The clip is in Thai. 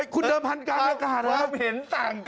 คุณเดิมทันการบ้าง